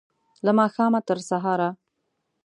له ماښامه، تر سهاره